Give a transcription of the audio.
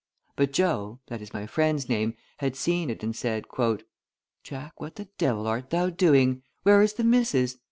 But Joe, that is my friend's name, had seen it, and said: "Jack, what the devil art thou doing? Where is the missus?